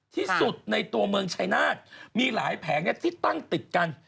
ที่สุดในตัวเมืองชายนาฏมีหลายแผงที่ตั้งติดกัน